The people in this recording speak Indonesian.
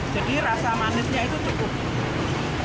jadi rasa manisnya itu cukup